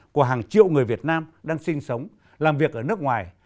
của hàng triệu người việt nam đang sinh sống làm việc ở nước ngoài